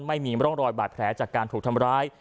ไม่มีร่องรอยบาดแผลจากการถูกทำร้าย